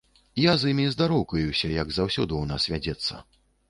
Я з імі здароўкаюся, як заўсёды ў нас вядзецца.